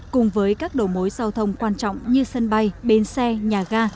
cùng với các đồ mối giao thông quan trọng như sân bay bến xe nhà ga